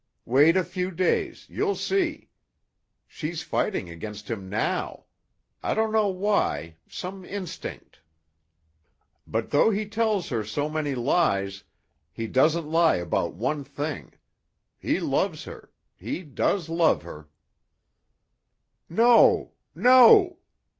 "Wait a few days you'll see. She's fighting against him now; I don't know why some instinct. But though he tells her so many lies, he doesn't lie about one thing. He loves her. He does love her." "No! No!"